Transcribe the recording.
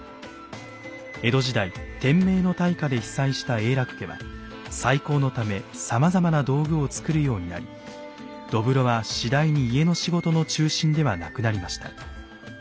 江戸時代天明の大火で被災した永樂家は再興のためさまざまな道具を作るようになり土風炉は次第に家の仕事の中心ではなくなりました。